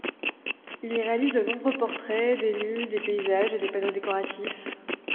Il y réalise de nombreux portraits, des nus, des paysages et des panneaux décoratifs.